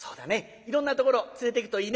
いろんなところ連れていくといいね」。